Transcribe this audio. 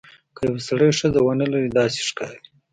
که یو سړی ښځه ونه لري داسې ښکاري.